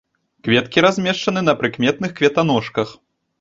Кветкі размешчаны на прыкметных кветаножках.